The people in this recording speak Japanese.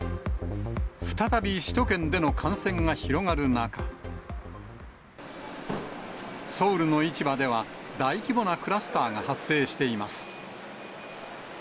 再び首都圏での感染が広がる中、ソウルの市場では、大規模なクラスターが発生しています。